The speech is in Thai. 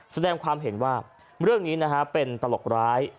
แสดงความเห็นว่าเรื่องนี้นะฮะเป็นตลกร้าย